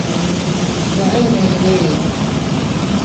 ¿Deʼe iydide?